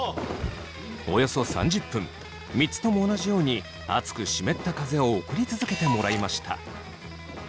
およそ３０分３つとも同じように熱く湿った風を送り続けてもらいました。